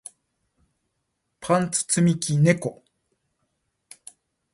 パンツ積み木猫